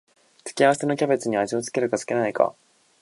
付け合わせのキャベツに味を付けるか付けないか